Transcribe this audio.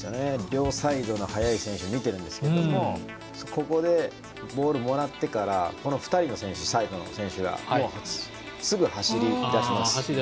両サイドの速い選手を見てるんですけどボールをもらってから２人の選手、サイドの選手がすぐ走り出してます。